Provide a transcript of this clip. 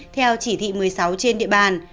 theo chỉ thị một mươi sáu trên địa bàn